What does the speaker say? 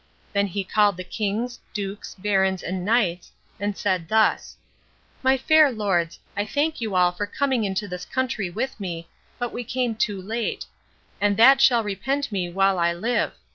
Then he called the kings, dukes, barons, and knights, and said thus: "My fair lords, I thank you all for coming into this country with me, but we came too late, and that shall repent me while I live.